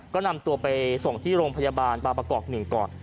ก็นำตัวไปส่งที่โรงพยาบาลบางประกอบ๑ก่อน